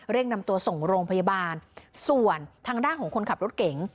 นำตัวส่งโรงพยาบาลส่วนทางด้านของคนขับรถเก๋ง